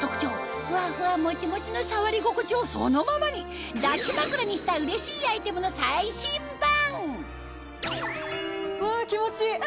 ふわふわもちもちの触り心地をそのままに抱き枕にしたうれしいアイテムの最新版うわ気持ちいい！